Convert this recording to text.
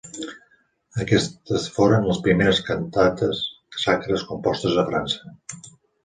Aquestes foren les primeres cantates sacres compostes a França.